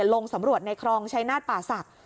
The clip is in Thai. ลงสำรวจในครองชัยนาฏป่าศักดิ์